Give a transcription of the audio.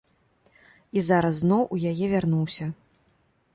І зараз зноў у яе вярнуўся.